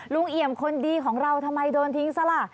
เอี่ยมคนดีของเราทำไมโดนทิ้งซะล่ะ